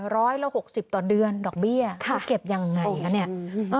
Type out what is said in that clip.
ร้อยละ๖๐ต่อเดือนดอกเบี้ยเขาเก็บอย่างไรนะเนี่ย